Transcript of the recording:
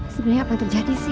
sebenarnya apa yang terjadi sih